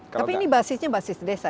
tapi ini basisnya basis desa